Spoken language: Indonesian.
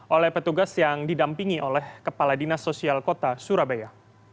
oleh petugas yang didampingi oleh kepala dinas sosial kota surabaya